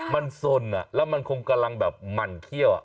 มันสนแล้วมันคงกำลังแบบหมั่นเขี้ยว